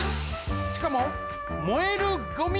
しかも燃えるゴミ。